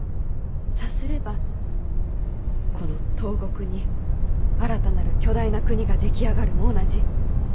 さすればこの東国に新たなる巨大な国が出来上がるも同じ。